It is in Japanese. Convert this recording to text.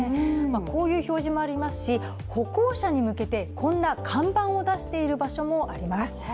こういう表示もありますし、歩行者に向けてこんな看板を出しているところもあります。